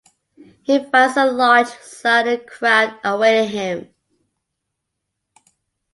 He finds a large, silent crowd awaiting him.